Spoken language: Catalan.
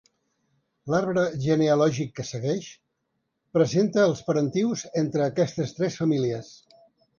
L'arbre genealògic que segueix presenta els parentius entre aquestes tres famílies.